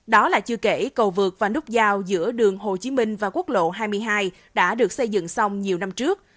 đó là chưa kể cầu vượt và nút giao giữa đường hồ chí minh và quốc lộ hai mươi hai đã được xây dựng xong nhiều năm trước